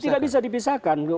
oh tidak bisa dipisahkan